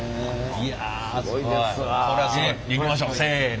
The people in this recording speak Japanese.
いきましょうせの。